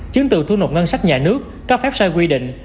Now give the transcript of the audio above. chứng tự thu nộp ngân sách nhà nước các phép sai quy định